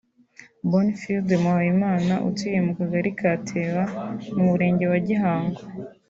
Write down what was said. Bonifilde Muhawenimana utuye mu Kagari ka Teba mu Murenge wa Gihango